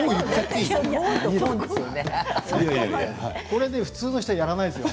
これ普通の人はやらないですよ